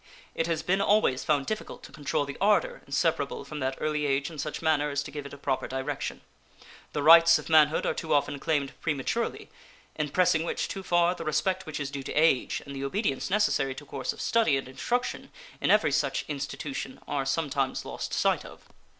It has been always found difficult to control the ardor inseparable from that early age in such manner as to give it a proper direction. The rights of manhood are too often claimed prematurely, in pressing which too far the respect which is due to age and the obedience necessary to a course of study and instruction in every such institution are sometimes lost sight of.